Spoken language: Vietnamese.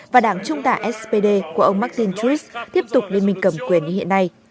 và đảng trung tả spd của ông martin true tiếp tục liên minh cầm quyền như hiện nay